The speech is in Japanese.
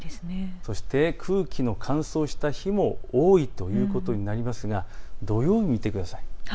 そして空気の乾燥した日も多いということになりますが土曜日を見てください。